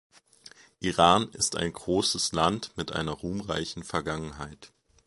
Iran ist ein großes Land mit einer ruhmreichen Vergangenheit.